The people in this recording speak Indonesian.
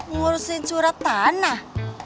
ngurusin surat tanah